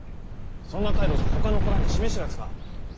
そんな態度じゃほかの子らに示しがつかん。